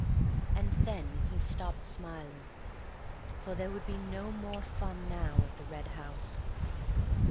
And then he stopped smiling, for there would be no more fun now at the Red House.